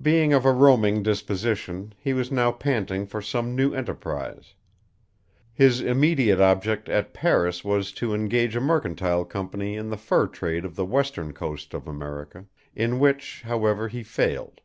Being of a roaming disposition, he was now panting for some new enterprise. His immediate object at Paris was to engage a mercantile company in the fur trade of the western coast of America, in which, however, he failed.